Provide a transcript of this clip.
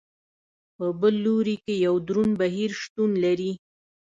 په بل لوري کې یو دروند بهیر شتون لري.